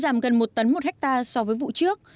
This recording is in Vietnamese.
giảm gần một tấn một hectare so với vụ trước